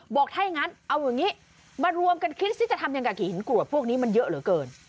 บอกถ้าอย่างนั้นเอาอย่างนี้มารวมกันคิดสิจะทำยังไงกี่หินกรวดพวกนี้มันเยอะเหลือเกิน